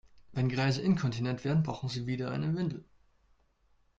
Wenn Greise inkontinent werden, brauchen sie wieder eine Windel.